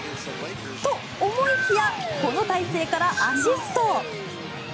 と、思いきやこの体勢からアシスト。